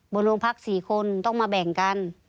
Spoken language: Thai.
บนโรงพักษณ์สี่คนต้องมาแบ่งกัน